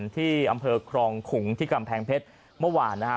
ที่อำเภอครองขุงที่กำแพงเพชรเมื่อวานนะฮะ